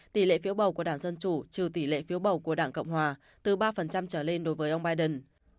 tỷ lệ phiếu bầu của đảng dân chủ trừ tỷ lệ phiếu bầu của đảng cộng hòa từ ba trở lên đối với ông biden